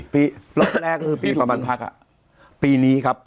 ปีรอบแรกคือปีประมาณพักปีนี้ครับ